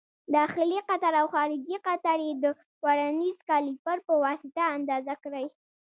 داخلي قطر او خارجي قطر یې د ورنیز کالیپر په واسطه اندازه کړئ.